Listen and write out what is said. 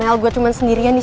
ayo kita pergi ke rendah